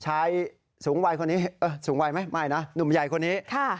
ชายสูงวัยคนนี้สูงวัยไหมไม่นะหนุ่มใหญ่คนนี้